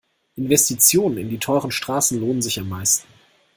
Investitionen in die teuren Straßen lohnen sich am meisten.